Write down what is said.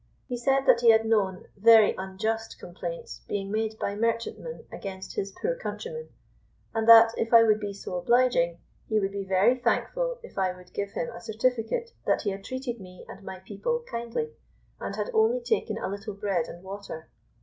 He said that he had known very unjust complaints being made by merchantmen against his poor countrymen, and that, if I would be so obliging, he would be very thankful if I would give him a certificate that he had treated me and my people kindly, and had only taken a little bread and water.